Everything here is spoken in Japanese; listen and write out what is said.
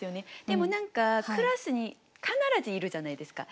でも何かクラスに必ずいるじゃないですか。